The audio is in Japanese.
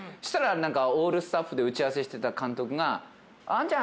オールスタッフで打ち合わせしてた監督が。